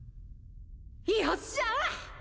よっしゃ！